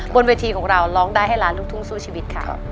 บนเวทีของเราร้องได้ให้ล้านลูกทุ่งสู้ชีวิตค่ะ